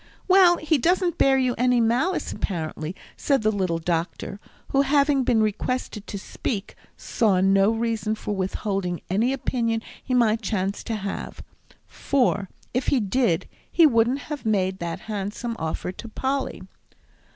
"Well, he doesn't bear you any malice, apparently," said the little doctor, who, having been requested to speak, saw no reason for withholding any opinion he might chance to have, "for, if he did, he wouldn't have made that handsome offer to Polly."